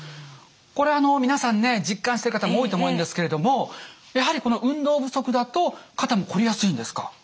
これあの皆さんね実感してる方も多いと思うんですけれどもやはりこの運動不足だと肩もこりやすいんですか？